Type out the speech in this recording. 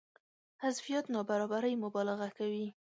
حذفيات نابرابرۍ مبالغه کوي.